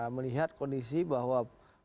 melihat kondisi bahwa